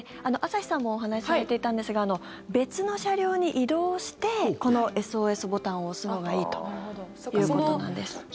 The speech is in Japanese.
朝日さんもお話しされていたんですが別の車両に移動してこのＳＯＳボタンを押すのがいいということなんです。